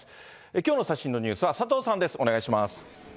きょうの最新のニュースは佐藤さんです。